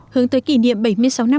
hướng tới kỷ niệm bảy mươi sáu năm